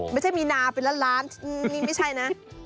ไม่ใช่มีนาเป็นล้านล้านนี่ไม่ใช่นะ